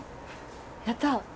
やった！